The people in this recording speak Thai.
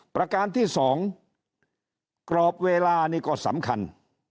ประการที่๒กรอบเวลานี่ก็สำคัญ